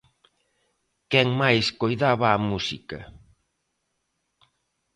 Quen máis coidaba a música.